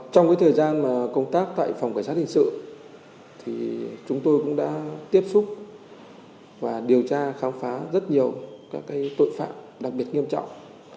trong cái thời gian mà công tác tại phòng cảnh sát hình sự thì chúng tôi cũng đã tiếp xúc và điều tra khám phá rất nhiều các cái tội phạm đặc biệt nghiêm trọng